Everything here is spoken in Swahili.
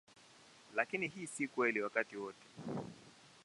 Lakini hii si kweli wakati wote.